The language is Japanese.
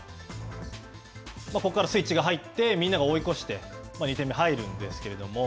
ここからスイッチが入って、みんなが追い越して２点目が入るんですけれども。